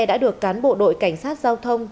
đã được cán bộ đội cảnh sát giao thông